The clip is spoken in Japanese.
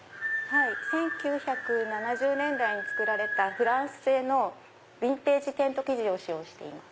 １９７０年代に作られたフランス製のビンテージテント生地を使用しています。